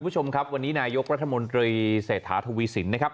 คุณผู้ชมครับวันนี้นายกรัฐมนตรีเศรษฐาทวีสินนะครับ